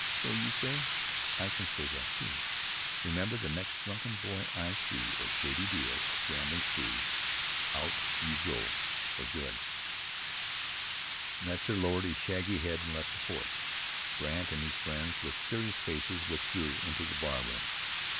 so you say. I can say that, too. Remember, the next drunken boy I see, or shady deal, or gambling spree, out you go for good." Metzar lowered his shaggy head and left the porch. Brandt and his friends, with serious faces, withdrew into the bar room.